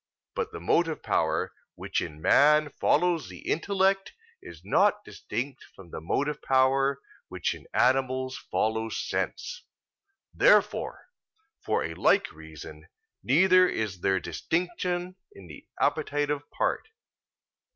But the motive power which in man follows the intellect is not distinct from the motive power which in animals follows sense. Therefore, for a like reason, neither is there distinction in the appetitive part.